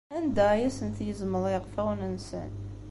Anda ay asen-tgezmeḍ iɣfawen-nsen?